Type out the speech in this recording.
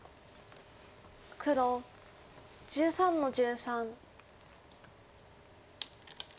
黒１３の十三。